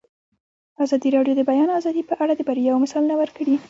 ازادي راډیو د د بیان آزادي په اړه د بریاوو مثالونه ورکړي.